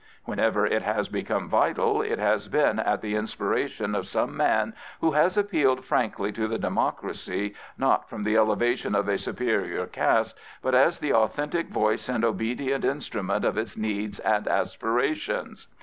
Whenever it has become vital, it has been at the inspiration of some man who has appealed frankly to the democracy, not from the elevation of a superior caste, but as the authentic voice and obedient instru ment of its needs and aspirations.